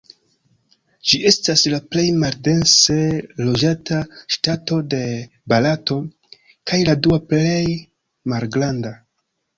Ĝi estas la plej maldense loĝata ŝtato de Barato, kaj la dua plej malgranda.